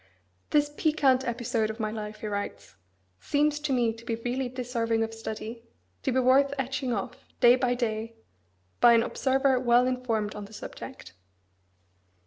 "This piquant episode of my life," he writes, "seems to me to be really deserving of study; to be worth etching off, day by day, by an observer well informed on the subject."